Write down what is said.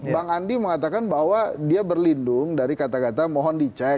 bang andi mengatakan bahwa dia berlindung dari kata kata mohon dicek